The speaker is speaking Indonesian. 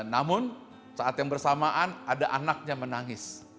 namun saat yang bersamaan ada anaknya menangis